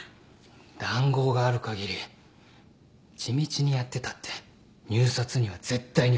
談合がある限り地道にやってたって入札には絶対に勝てない。